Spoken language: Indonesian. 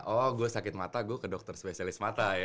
oh gue sakit mata gue ke dokter spesialis mata ya